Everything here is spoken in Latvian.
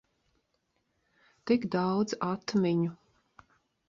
Tik daudz atmiņu.